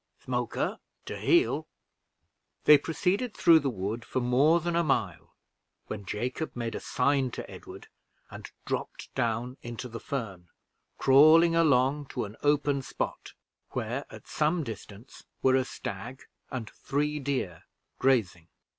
Smoker, to heel!" They proceeded through the wood for more than a mile, when Jacob made a sign to Edward, and dropped down into the fern, crawling along to an open spot, where, at some distance, were a stag and three deer grazing.